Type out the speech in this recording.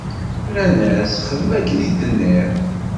Rran-as: Xdem akken i d-tenniḍ!